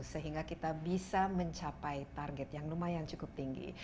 sehingga kita bisa mencapai target yang lumayan cukup tinggi